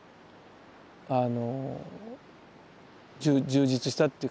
充実したっていうかね